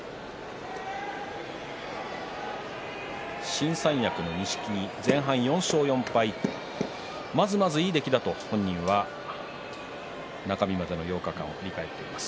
新三役の錦木、前半４勝４敗まずまずいい出来だと、本人は中日までの８日間を振り返っています。